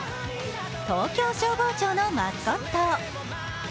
東京消防庁のマスコット。